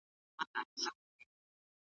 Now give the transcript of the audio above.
د مقاومت لرونکي میکروبونه څه دي؟